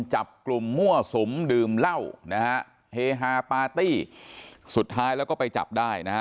จับกลุ่มมั่วสุมดื่มเหล้านะฮะเฮฮาปาร์ตี้สุดท้ายแล้วก็ไปจับได้นะฮะ